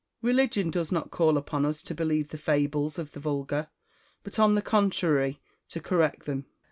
Religion does not call upon us to believe the fables of the vulgar, but on the contrary to correct them.